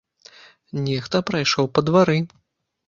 Нехта прайшоў па двары.